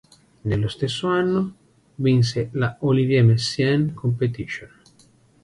Nello stesso anno vinse la Olivier Messiaen Competition.